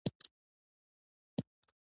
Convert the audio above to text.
ژوند د تجربو مجموعه ده.